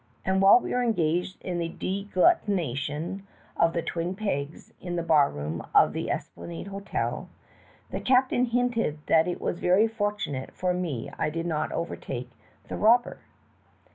And while we were engaged in the deglutition of the twin pegs in the bar room of the Esplanade Hotel the captain hinted that it was ver}^ fortunate for me I did not overtake the robber.